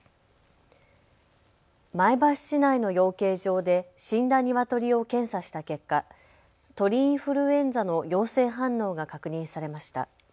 前橋市内の養鶏場で死んだニワトリを検査した結果、鳥インフルエンザの陽性反応が確認されました。